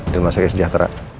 di rumah sakit sejahtera